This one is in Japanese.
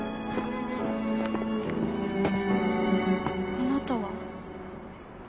あなたは。